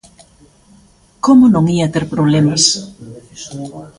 ¿Como non ía ter problemas?